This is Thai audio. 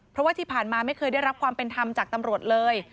เพราะว่าที่ผ่านมาไม่เคยได้รับความเป็นธรรมจากตำรวจเลย